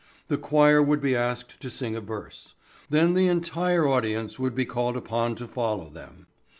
The choir would be asked to sing a verse. Then the entire audience would be called upon to follow them.